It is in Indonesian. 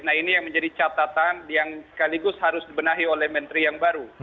nah ini yang menjadi catatan yang sekaligus harus dibenahi oleh menteri yang baru